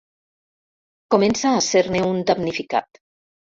Comença a ser-ne un damnificat.